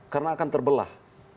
karena akan terbelah